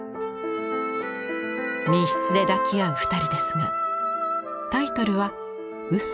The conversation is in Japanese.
密室で抱き合う２人ですがタイトルは「嘘」。